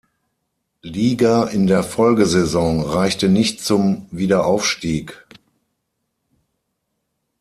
Liga in der Folgesaison reichte nicht zum Wiederaufstieg.